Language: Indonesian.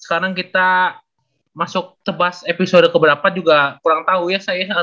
sekarang kita masuk tebas episode keberapa juga kurang tahu ya saya